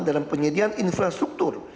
dalam penyediaan infrastruktur